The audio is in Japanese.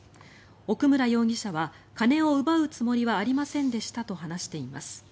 奥村容疑者は金を奪うつもりはありませんでしたと話しています。